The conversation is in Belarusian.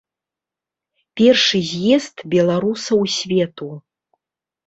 Першы з'езд беларусаў свету.